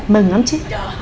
mừng lắm chứ